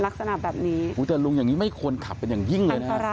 ลักษณะแบบนี้แต่ลุงอย่างนี้ไม่ควรขับเป็นอย่างยิ่งเลยนะฮะ